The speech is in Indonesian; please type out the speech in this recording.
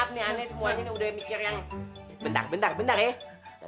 maaf nih aneh semuanya udah mikir yang bentar bentar ya